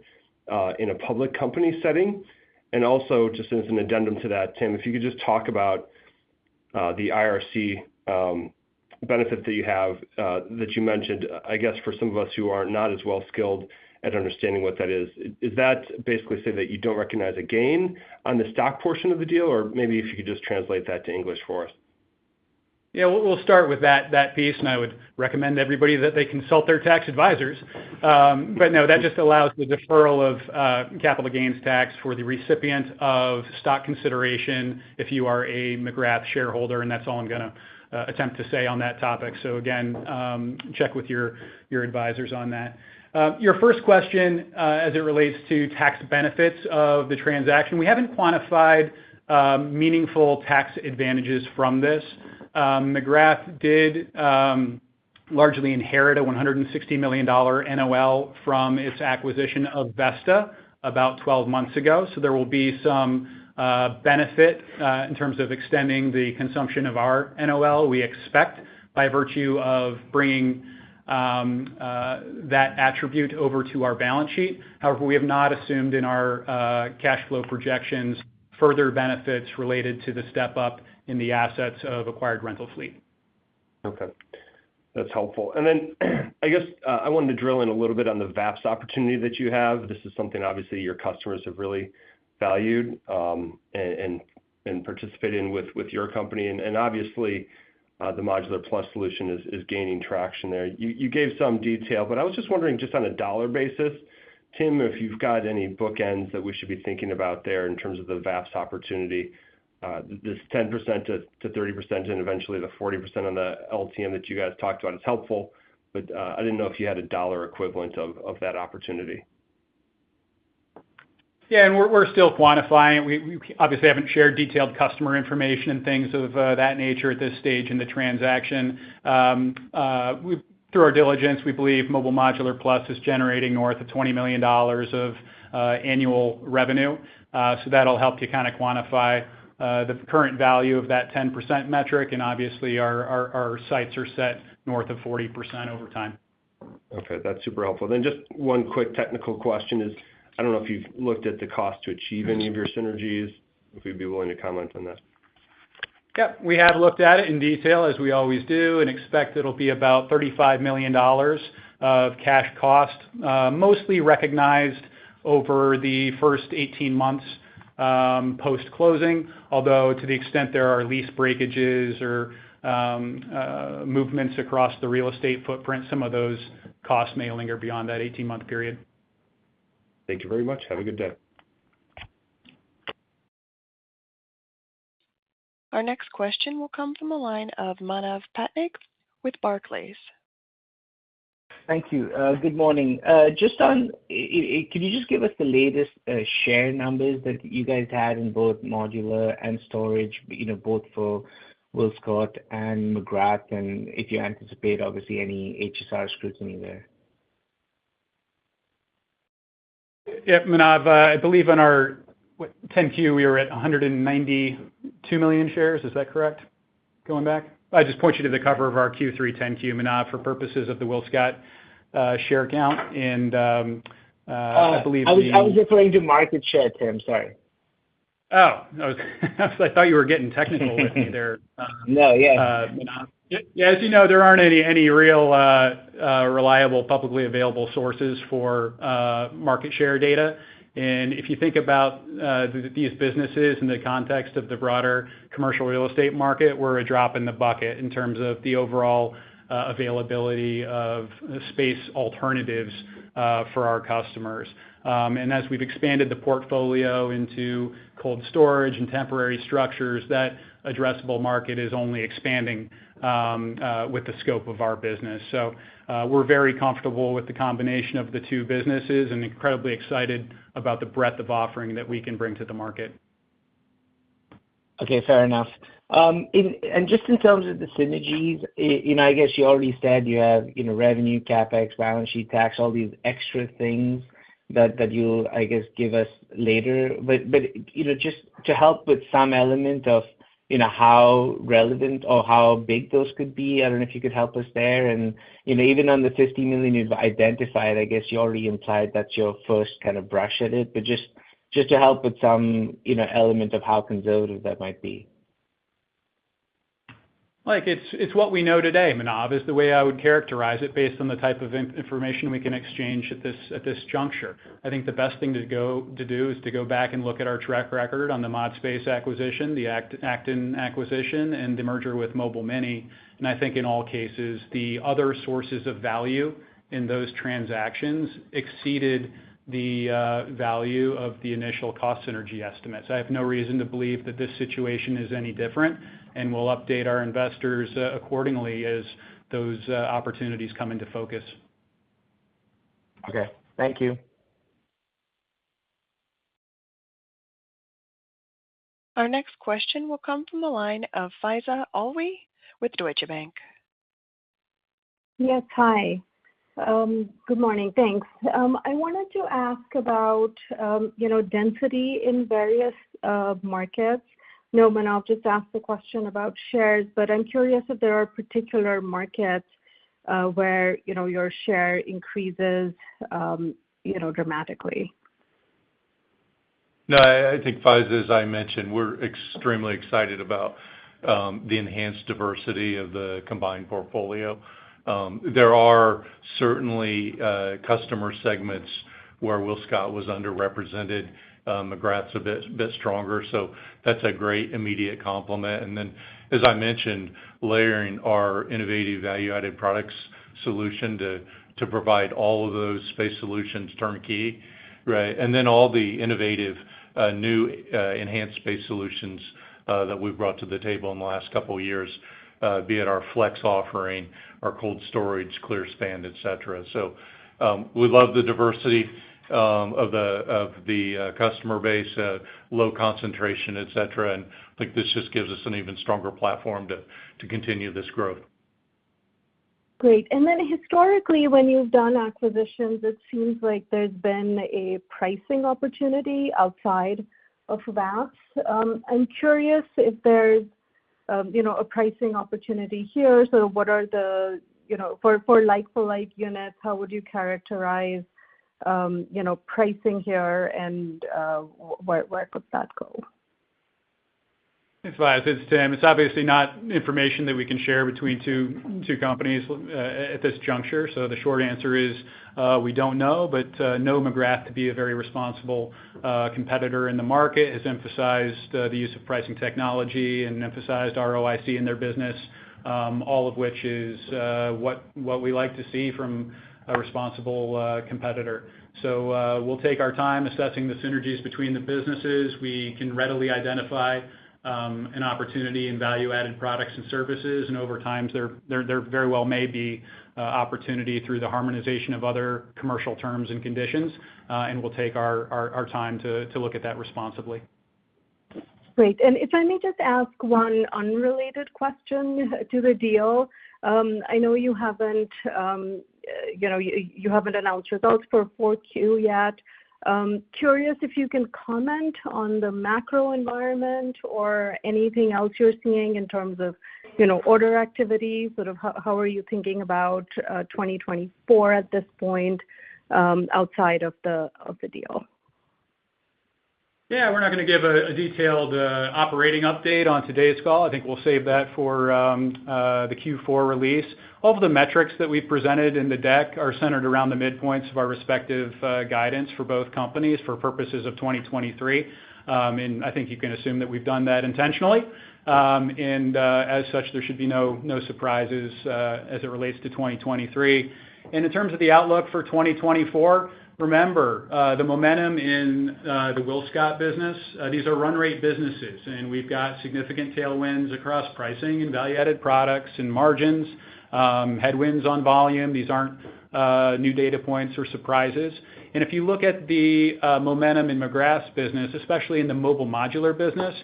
in a public company setting. And also, just as an addendum to that, Tim, if you could just talk about the IRC benefit that you have that you mentioned, I guess, for some of us who are not as well skilled at understanding what that is. Is that basically saying that you don't recognize a gain on the stock portion of the deal? Or maybe if you could just translate that to English for us. Yeah, we'll start with that, that piece, and I would recommend to everybody that they consult their tax advisors. But no, that just allows the deferral of capital gains tax for the recipient of stock consideration if you are a McGrath shareholder, and that's all I'm gonna attempt to say on that topic. So again, check with your advisors on that. Your first question, as it relates to tax benefits of the transaction, we haven't quantified meaningful tax advantages from this. McGrath did largely inherit a $160 million NOL from its acquisition of Vesta about 12 months ago, so there will be some benefit in terms of extending the consumption of our NOL, we expect, by virtue of bringing that attribute over to our balance sheet. However, we have not assumed in our cash flow projections, further benefits related to the step-up in the assets of acquired rental fleet. Okay, that's helpful. Then, I guess, I wanted to drill in a little bit on the vast opportunity that you have. This is something obviously your customers have really valued, and participated in with your company. And obviously, the Modular Plus solution is gaining traction there. You gave some detail, but I was just wondering, just on a dollar basis, Tim, if you've got any bookends that we should be thinking about there in terms of the vast opportunity, this 10%-30%, and eventually the 40% on the LTM that you guys talked about is helpful, but I didn't know if you had a dollar equivalent of that opportunity. Yeah, and we're still quantifying. We obviously haven't shared detailed customer information and things of that nature at this stage in the transaction. Through our diligence, we believe Mobile Modular Plus is generating north of $20 million of annual revenue. So that'll help you kind of quantify the current value of that 10% metric, and obviously, our sights are set north of 40% over time. Okay, that's super helpful. Then just one quick technical question is, I don't know if you've looked at the cost to achieve any of your synergies, if you'd be willing to comment on that? Yeah, we have looked at it in detail, as we always do, and expect it'll be about $35 million of cash cost, mostly recognized over the first 18 months, post-closing. Although, to the extent there are lease breakages or, movements across the real estate footprint, some of those costs may linger beyond that 18-month period. Thank you very much. Have a good day. Our next question will come from the line of Manav Patnaik with Barclays. Thank you. Good morning. Just on, can you just give us the latest share numbers that you guys had in both Modular and Storage, you know, both for WillScot and McGrath, and if you anticipate, obviously, any HSR scrutiny there? Yeah, Manav, I believe in our, what, 10-Q, we were at 192 million shares. Is that correct, going back? I just point you to the cover of our Q3 10-Q, Manav, for purposes of the WillScot share count. And, I believe the- I was referring to market share, Tim, sorry. Oh, I thought you were getting technical with me there. No, yeah. As you know, there aren't any real reliable publicly available sources for market share data. If you think about these businesses in the context of the broader commercial real estate market, we're a drop in the bucket in terms of the overall availability of space alternatives for our customers. As we've expanded the portfolio into cold storage and temporary structures, that addressable market is only expanding with the scope of our business. We're very comfortable with the combination of the two businesses and incredibly excited about the breadth of offering that we can bring to the market. Okay, fair enough. And just in terms of the synergies, you know, I guess you already said you have, you know, revenue, CapEx, balance sheet, tax, all these extra things that, that you'll, I guess, give us later. But, you know, just to help with some element of, you know, how relevant or how big those could be, I don't know if you could help us there. And, you know, even on the $50 million you've identified, I guess you already implied that's your first kind of brush at it. But just, just to help with some, you know, element of how conservative that might be. Like, it's what we know today, Manav, is the way I would characterize it based on the type of information we can exchange at this juncture. I think the best thing to do is to go back and look at our track record on the ModSpace acquisition, the Acton acquisition, and the merger with Mobile Mini. And I think in all cases, the other sources of value in those transactions exceeded the value of the initial cost synergy estimates. I have no reason to believe that this situation is any different, and we'll update our investors accordingly as those opportunities come into focus. Okay. Thank you. Our next question will come from the line of Faiza Alwy with Deutsche Bank. Yes. Hi. Good morning. Thanks. I wanted to ask about, you know, density in various markets. Now, and I'll just ask the question about shares, but I'm curious if there are particular markets where, you know, your share increases, you know, dramatically. No, I think, Faiza, as I mentioned, we're extremely excited about the enhanced diversity of the combined portfolio. There are certainly customer segments where WillScot was underrepresented, McGrath's a bit stronger, so that's a great immediate complement. And then, as I mentioned, layering our innovative value-added products solution to provide all of those space solutions turnkey, right? And then all the innovative new enhanced space solutions that we've brought to the table in the last couple of years, be it our FLEX offering, our cold storage, clearspan, et cetera. So, we love the diversity of the customer base, low concentration, et cetera, and I think this just gives us an even stronger platform to continue this growth. Great. And then historically, when you've done acquisitions, it seems like there's been a pricing opportunity outside of that. I'm curious if there's, you know, a pricing opportunity here. So what are the, you know, for like-for-like units, how would you characterize, you know, pricing here, and where could that go? It's Faiza, it's Tim. It's obviously not information that we can share between two, two companies, at this juncture. So the short answer is, we don't know. But, know McGrath to be a very responsible, competitor in the market, has emphasized, the use of pricing technology and emphasized ROIC in their business, all of which is, what, what we like to see from a responsible, competitor. So, we'll take our time assessing the synergies between the businesses. We can readily identify, an opportunity in value-added products and services, and over time, there, there very well may be, opportunity through the harmonization of other commercial terms and conditions, and we'll take our, our, our time to, to look at that responsibly. Great. If I may just ask one unrelated question to the deal. I know you haven't, you know, you haven't announced results for 4Q yet. Curious if you can comment on the macro environment or anything else you're seeing in terms of, you know, order activity, sort of how are you thinking about 2024 at this point, outside of the deal? Yeah, we're not gonna give a detailed operating update on today's call. I think we'll save that for the Q4 release. All of the metrics that we've presented in the deck are centered around the midpoints of our respective guidance for both companies for purposes of 2023. And I think you can assume that we've done that intentionally. And as such, there should be no surprises as it relates to 2023. And in terms of the outlook for 2024, remember the momentum in the WillScot business. These are run rate businesses, and we've got significant tailwinds across pricing and value-added products and margins, headwinds on volume. These aren't new data points or surprises. And if you look at the momentum in McGrath's business, especially in the Mobile Modular business,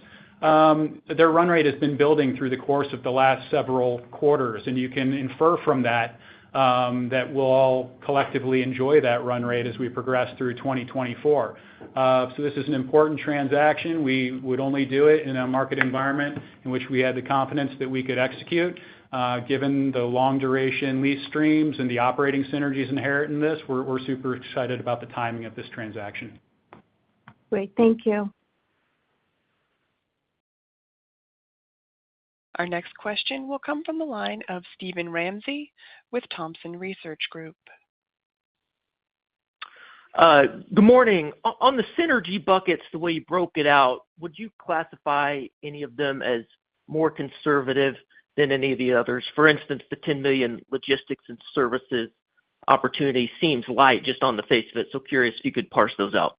their run rate has been building through the course of the last several quarters, and you can infer from that that we'll all collectively enjoy that run rate as we progress through 2024. So this is an important transaction. We would only do it in a market environment in which we had the confidence that we could execute. Given the long-duration lease streams and the operating synergies inherent in this, we're super excited about the timing of this transaction. Great. Thank you. Our next question will come from the line of Steven Ramsey with Thompson Research Group. Good morning. On the synergy buckets, the way you broke it out, would you classify any of them as more conservative than any of the others? For instance, the $10 million logistics and services opportunity seems light just on the face of it, so curious if you could parse those out.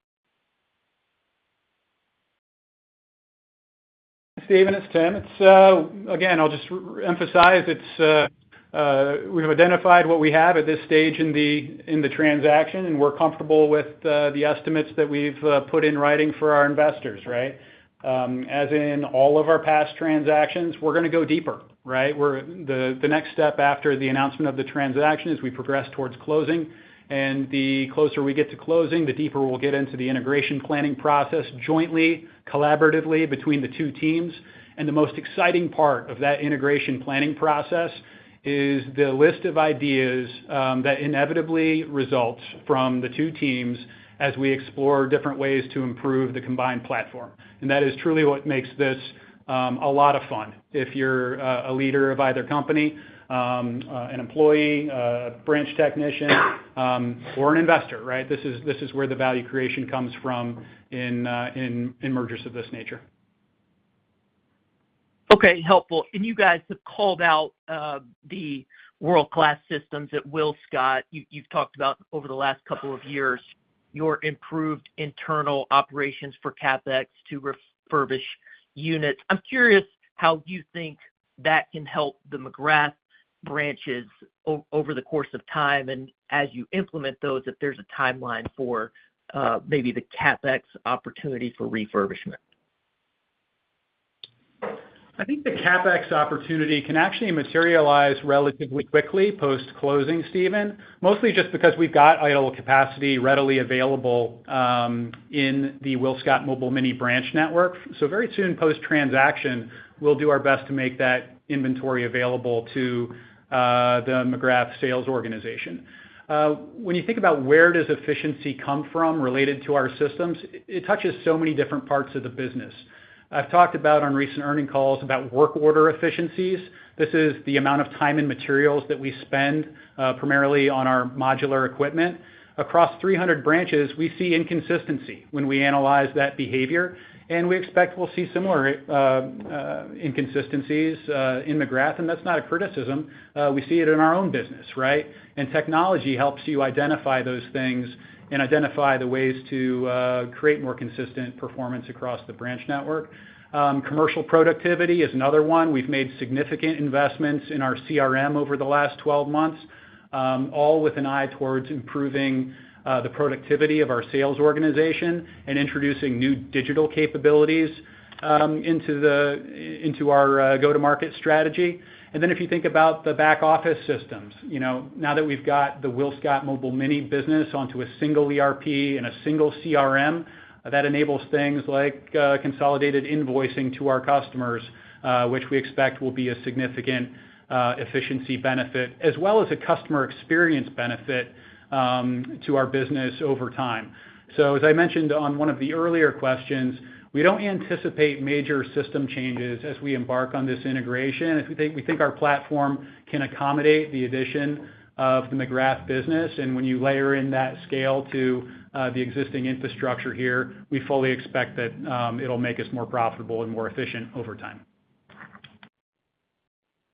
Steven, it's Tim. It's again, I'll just re-emphasize, it's we've identified what we have at this stage in the in the transaction, and we're comfortable with the estimates that we've put in writing for our investors, right? As in all of our past transactions, we're gonna go deeper, right? The next step after the announcement of the transaction is we progress towards closing, and the closer we get to closing, the deeper we'll get into the integration planning process, jointly, collaboratively between the two teams. And the most exciting part of that integration planning process is the list of ideas that inevitably results from the two teams as we explore different ways to improve the combined platform. And that is truly what makes this a lot of fun. If you're a leader of either company, an employee, a branch technician, or an investor, right? This is where the value creation comes from in mergers of this nature. Okay, helpful. And you guys have called out the world-class systems at WillScot. You've talked about over the last couple of years your improved internal operations for CapEx to refurbish units. I'm curious how you think that can help the McGrath branches over the course of time, and as you implement those, if there's a timeline for maybe the CapEx opportunity for refurbishment? I think the CapEx opportunity can actually materialize relatively quickly post-closing, Steven, mostly just because we've got idle capacity readily available in the WillScot Mobile Mini branch network. So very soon, post-transaction, we'll do our best to make that inventory available to the McGrath sales organization. When you think about where does efficiency come from related to our systems, it touches so many different parts of the business. I've talked about on recent earnings calls about work order efficiencies. This is the amount of time and materials that we spend primarily on our modular equipment. Across 300 branches, we see inconsistency when we analyze that behavior, and we expect we'll see similar inconsistencies in McGrath, and that's not a criticism. We see it in our own business, right? Technology helps you identify those things and identify the ways to create more consistent performance across the branch network. Commercial productivity is another one. We've made significant investments in our CRM over the last 12 months, all with an eye towards improving the productivity of our sales organization and introducing new digital capabilities into our go-to-market strategy. Then if you think about the back office systems, you know, now that we've got the WillScot Mobile Mini business onto a single ERP and a single CRM, that enables things like consolidated invoicing to our customers, which we expect will be a significant efficiency benefit, as well as a customer experience benefit, to our business over time. So as I mentioned on one of the earlier questions, we don't anticipate major system changes as we embark on this integration. We think, we think our platform can accommodate the addition of the McGrath business, and when you layer in that scale to, the existing infrastructure here, we fully expect that, it'll make us more profitable and more efficient over time.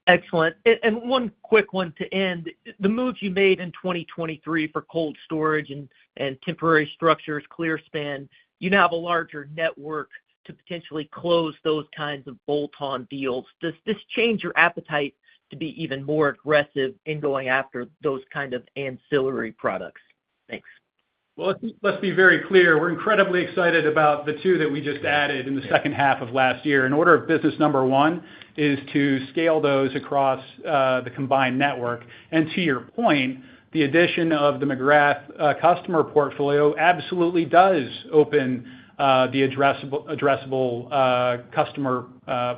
Excellent. And one quick one to end. The moves you made in 2023 for cold storage and temporary structures, clearspan, you now have a larger network to potentially close those kinds of bolt-on deals. Does this change your appetite to be even more aggressive in going after those kind of ancillary products? Thanks. Well, let's be very clear. We're incredibly excited about the two that we just added in the second half of last year. In order of business number one is to scale those across the combined network. And to your point, the addition of the McGrath customer portfolio absolutely does open the addressable customer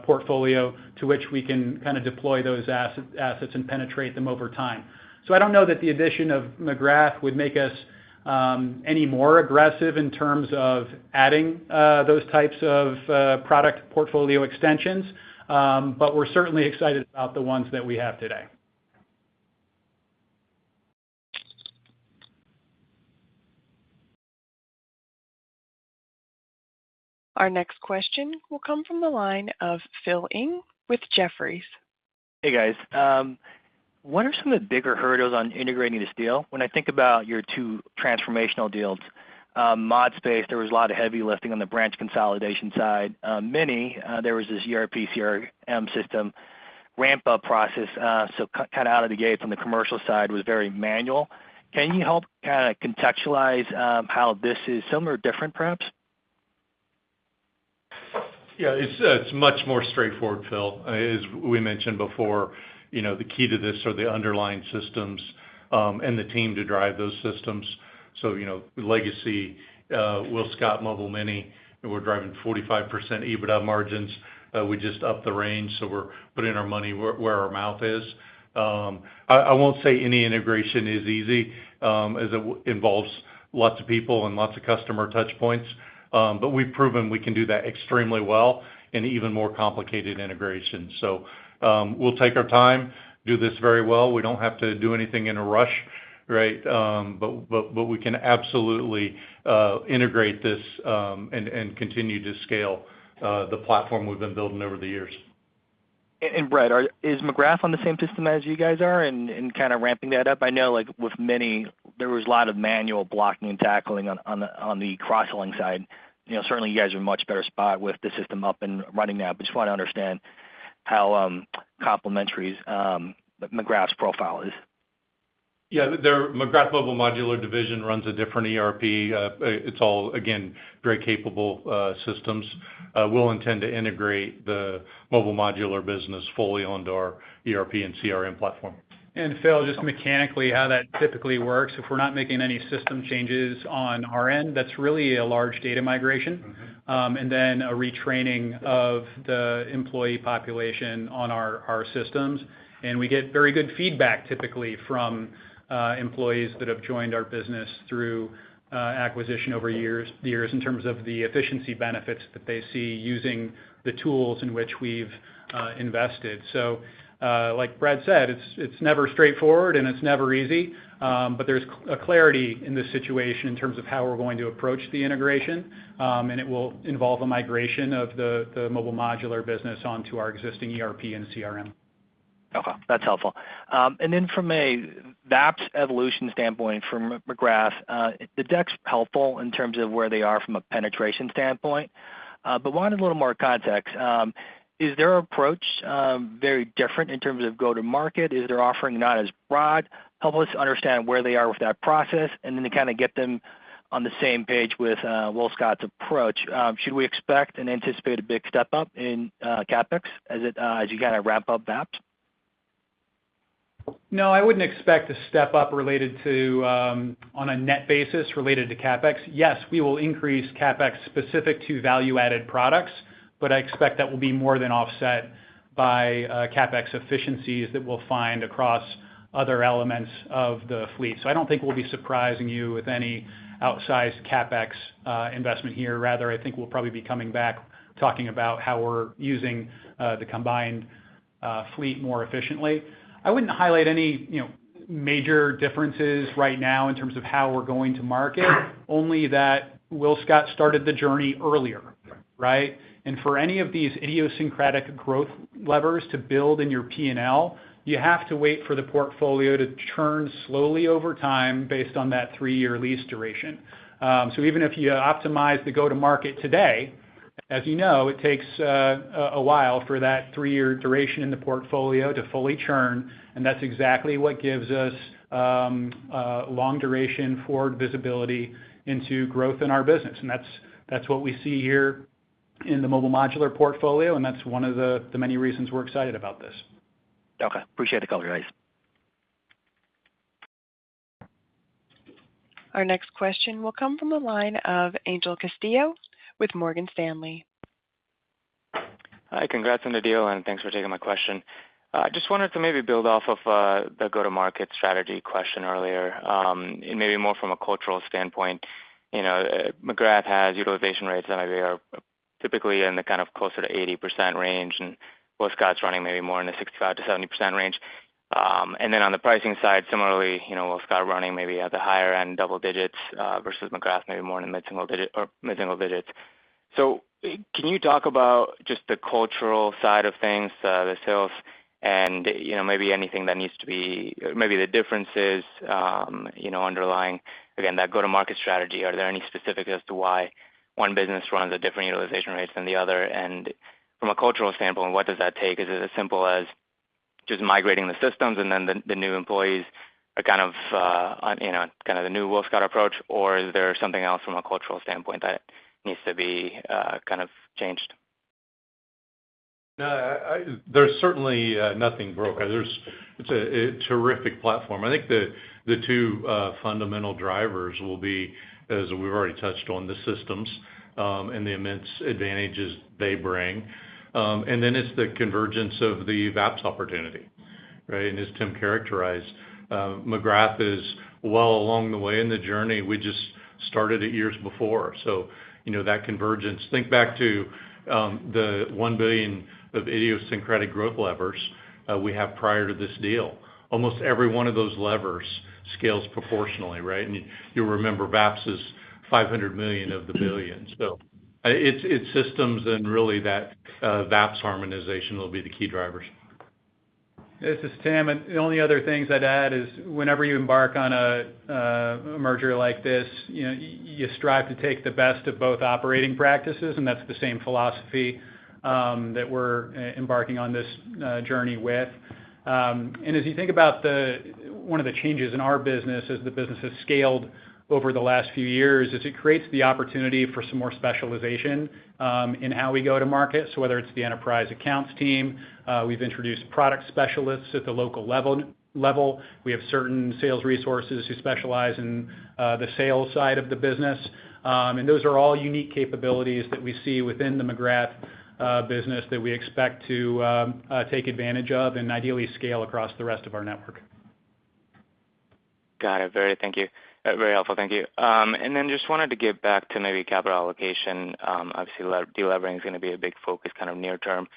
portfolio to which we can kind of deploy those assets and penetrate them over time. So I don't know that the addition of McGrath would make us any more aggressive in terms of adding those types of product portfolio extensions, but we're certainly excited about the ones that we have today. Our next question will come from the line of Phil Ng with Jefferies. Hey, guys. What are some of the bigger hurdles on integrating this deal? When I think about your two transformational deals, ModSpace, there was a lot of heavy lifting on the branch consolidation side. Mini, there was this ERP, CRM system ramp-up process, so kind of out of the gate from the commercial side, was very manual. Can you help kind of contextualize how this is similar or different, perhaps? Yeah, it's, it's much more straightforward, Phil. As we mentioned before, you know, the key to this are the underlying systems, and the team to drive those systems. So, you know, legacy, WillScot Mobile Mini, and we're driving 45% EBITDA margins. We just upped the range, so we're putting our money where, where our mouth is. I won't say any integration is easy, as it involves lots of people and lots of customer touch points, but we've proven we can do that extremely well in even more complicated integrations. So, we'll take our time, do this very well. We don't have to do anything in a rush, right? But, but, but we can absolutely, integrate this, and, and continue to scale, the platform we've been building over the years. And Brad, is McGrath on the same system as you guys are in kind of ramping that up? I know, like with Mini, there was a lot of manual blocking and tackling on the cross-selling side. You know, certainly you guys are in a much better spot with the system up and running now. But just want to understand how complementary McGrath's profile is. Yeah, their McGrath Mobile Modular division runs a different ERP. It's all, again, very capable systems. We'll intend to integrate the Mobile Modular business fully onto our ERP and CRM platform. Phil, just mechanically, how that typically works, if we're not making any system changes on our end, that's really a large data migration. And then a retraining of the employee population on our systems. We get very good feedback, typically, from employees that have joined our business through acquisition over years in terms of the efficiency benefits that they see using the tools in which we've invested. So, like Brad said, it's never straightforward and it's never easy, but there's a clarity in this situation in terms of how we're going to approach the integration. It will involve a migration of the Mobile Modular business onto our existing ERP and CRM. Okay, that's helpful. And then from a VAPs evolution standpoint from McGrath, the deck's helpful in terms of where they are from a penetration standpoint. But wanted a little more context. Is their approach very different in terms of go-to-market? Is their offering not as broad? Help us understand where they are with that process, and then to kind of get them on the same page with WillScot's approach. Should we expect and anticipate a big step up in CapEx as it, as you kind of wrap up VAPs? No, I wouldn't expect a step up related to, on a net basis, related to CapEx. Yes, we will increase CapEx specific to value-added products, but I expect that will be more than offset by, CapEx efficiencies that we'll find across other elements of the fleet. So I don't think we'll be surprising you with any outsized CapEx, investment here. Rather, I think we'll probably be coming back, talking about how we're using, the combined, fleet more efficiently. I wouldn't highlight any, you know, major differences right now in terms of how we're going to market, only that WillScot started the journey earlier, right? And for any of these idiosyncratic growth levers to build in your P&L, you have to wait for the portfolio to churn slowly over time based on that three-year lease duration. So even if you optimize the go-to-market today, as you know, it takes a while for that three-year duration in the portfolio to fully churn, and that's exactly what gives us long duration for visibility into growth in our business. And that's what we see here in the Mobile Modular portfolio, and that's one of the many reasons we're excited about this. Okay. Appreciate the color, guys. Our next question will come from the line of Angel Castillo with Morgan Stanley. Hi, congrats on the deal, and thanks for taking my question. I just wanted to maybe build off of the go-to-market strategy question earlier, and maybe more from a cultural standpoint. You know, McGrath has utilization rates, and they are typically in the kind of closer to 80% range, and WillScot's running maybe more in the 65%-70% range. And then on the pricing side, similarly, you know, WillScot running maybe at the higher end, double digits, versus McGrath, maybe more in the mid-single digit or mid-single digits. So can you talk about just the cultural side of things, the sales and, you know, maybe anything that needs to be... Maybe the differences, you know, underlying, again, that go-to-market strategy. Are there any specific as to why one business runs a different utilization rates than the other? From a cultural standpoint, what does that take? Is it as simple as just migrating the systems, and then the new employees are kind of, on, you know, kind of the new WillScot approach, or is there something else from a cultural standpoint that needs to be, kind of changed? There's certainly nothing broken. It's a terrific platform. I think the two fundamental drivers will be, as we've already touched on, the systems and the immense advantages they bring. And then it's the convergence of the VAPs opportunity, right? As Tim characterized, McGrath is well along the way in the journey. We just started it years before. So you know, that convergence. Think back to the $1 billion of idiosyncratic growth levers we have prior to this deal. Almost every one of those levers scales proportionally, right? And you'll remember, VAPs is $500 million of the $1 billion. So, it's systems and really that VAPs harmonization will be the key drivers. This is Tim, and the only other things I'd add is, whenever you embark on a merger like this, you know, you strive to take the best of both operating practices, and that's the same philosophy that we're embarking on this journey with. And as you think about the one of the changes in our business as the business has scaled over the last few years, is it creates the opportunity for some more specialization in how we go to market. So whether it's the enterprise accounts team, we've introduced product specialists at the local level. We have certain sales resources who specialize in the sales side of the business. And those are all unique capabilities that we see within the McGrath business that we expect to take advantage of and ideally scale across the rest of our network. Got it. Very, thank you. Very helpful. Thank you. And then just wanted to get back to maybe capital allocation. Obviously, delevering is gonna be a big focus, kind of near term.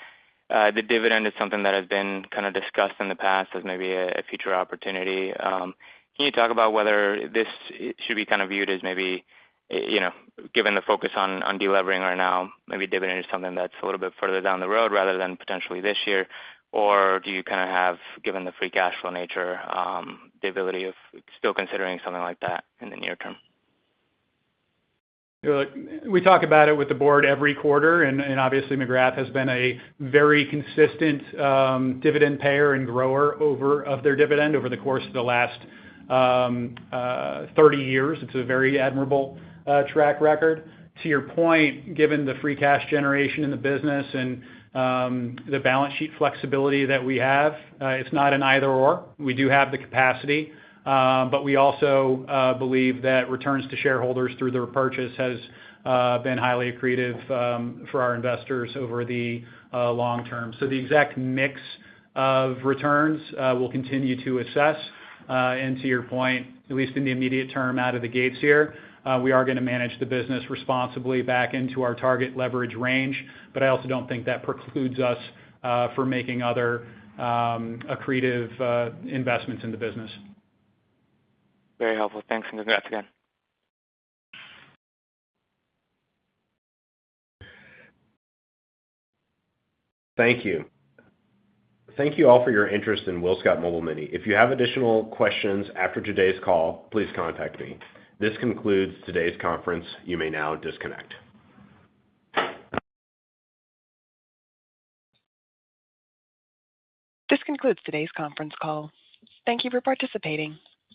The dividend is something that has been kind of discussed in the past as maybe a future opportunity. Can you talk about whether this should be kind of viewed as maybe, you know, given the focus on delevering right now, maybe dividend is something that's a little bit further down the road rather than potentially this year? Or do you kind of have, given the free cash flow nature, the ability of still considering something like that in the near term? We talk about it with the board every quarter, and obviously, McGrath has been a very consistent dividend payer and grower of their dividend over the course of the last 30 years. It's a very admirable track record. To your point, given the free cash generation in the business and the balance sheet flexibility that we have, it's not an either/or. We do have the capacity, but we also believe that returns to shareholders through the repurchase has been highly accretive for our investors over the long term. So the exact mix of returns we'll continue to assess. And to your point, at least in the immediate term, out of the gates here, we are gonna manage the business responsibly back into our target leverage range, but I also don't think that precludes us from making other accretive investments in the business. Very helpful. Thanks, and congrats again. Thank you. Thank you all for your interest in WillScot Mobile Mini. If you have additional questions after today's call, please contact me. This concludes today's conference. You may now disconnect. This concludes today's conference call. Thank you for participating.